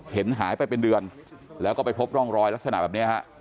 เห็นหายไปเป็นเดือนแล้วก็ไปพบร่องรอยลักษณะแบบนี้ฮะ